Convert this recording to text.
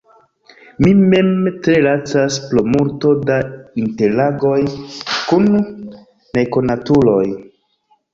Mi mem tre lacas pro multo da interagoj kun nekonatuloj.